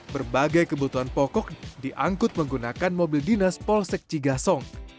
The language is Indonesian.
berbagai kebutuhan pokok diangkut menggunakan mobil dinas polsek cigasong